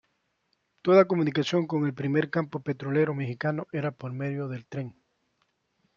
Toda la comunicación con el primer campo petrolero mexicano era por medio del tren.